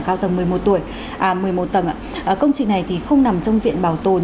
sau tầng một mươi một tầng công trình này không nằm trong diện bảo tồn